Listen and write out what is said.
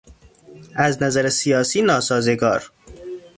از نظر سیاسی ناسازگار